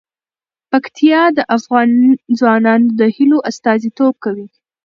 پکتیا د افغان ځوانانو د هیلو استازیتوب کوي.